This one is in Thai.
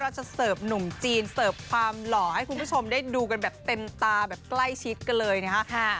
จะเสิร์ฟหนุ่มจีนเสิร์ฟความหล่อให้คุณผู้ชมได้ดูกันแบบเต็มตาแบบใกล้ชิดกันเลยนะคะ